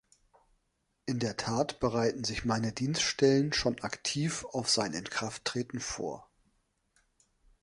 In der Tat bereiten sich meine Dienststellen schon aktiv auf sein Inkrafttreten vor.